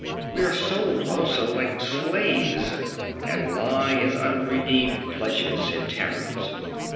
We are sold also like slaves, and lie as unredeemed pledges in taverns.